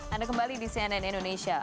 anda kembali di cnn indonesia